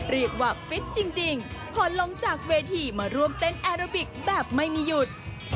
เรียกว่าฟิตจริงพอลงจากเวที่มาร่วมเต้นแอร์บิกแบบไม่มีหยุด